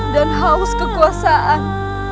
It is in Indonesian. dan haus kekuasaan